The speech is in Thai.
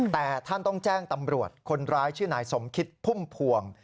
แต่ท่านต้องแจ้งตำรวจคนร้ายชื่อนายสมคิดพุ่มพวง